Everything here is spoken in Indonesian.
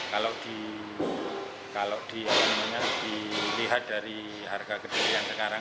kalau dilihat dari harga kedelai yang sekarang